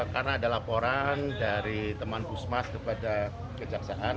karena ada laporan dari teman puskesmas kepada kejaksaan